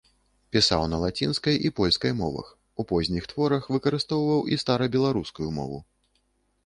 Пісаў на лацінскай і польскай мовах, у позніх творах выкарыстоўваў і старабеларускую мову.